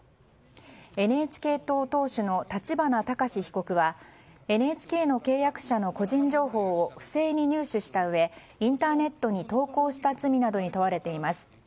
ＮＨＫ党党首の立花孝志被告はＮＨＫの契約者の個人情報を不正に入手したうえインターネットに投稿した罪などに問われています。